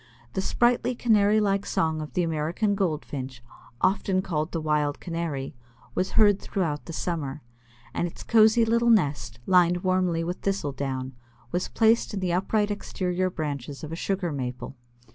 The sprightly Canary like song of the American Goldfinch, often called the Wild Canary, was heard throughout the summer, and its cozy little nest, lined warmly with thistle down, was placed in the upright exterior branches of a Sugar Maple.